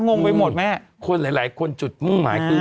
โง่งไปหมดเหมคนหลายคนจุดมุ่งไม้